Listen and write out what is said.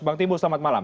bang timbul selamat malam